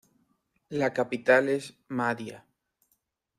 La capital es Mahdia.